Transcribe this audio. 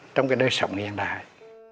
trong cái đời sống hiện đại